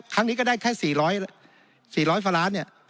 ครั้งนี้ก็ได้แค่๔๐๐ฟาลาสเนี่ย